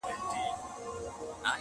هلک دي لوی کړ د لونګو بوی یې ځینه.!